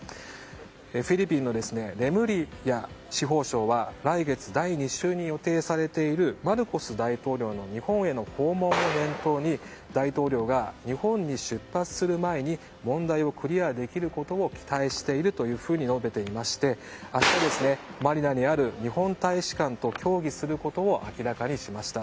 フィリピンのレムリア司法相は来月第２週に予定されているマルコス大統領の日本への訪問を念頭に、大統領が日本に出発する前に問題をクリアできることを期待していると述べており明日、マニラにある日本大使館と協議することを明らかにしました。